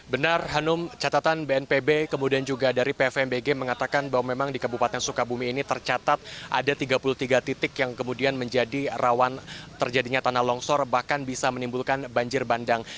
benar hanum catatan bnpb kemudian juga dari pfmbg mengatakan bahwa memang di kabupaten sukabumi ini tercatat ada tiga puluh tiga titik yang kemudian menjadi rawan terjadinya tanah longsor bahkan bisa menimbulkan banjir bandang